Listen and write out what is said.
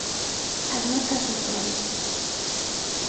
As marcas sociais.